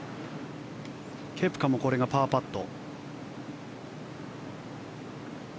ケプカもこれがパーパット。